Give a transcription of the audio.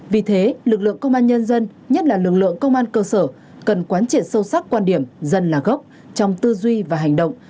vì thế lực lượng công an nhân dân nhất là lực lượng công an cơ sở cần quán triệt sâu sắc quan điểm dân là gốc trong tư duy và hành động